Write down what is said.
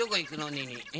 ねえねえ。